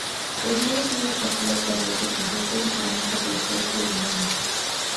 Los muros son de tapial terroso, con restos de cerámica prehistórica y romana.